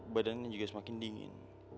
badannya juga semakin dingin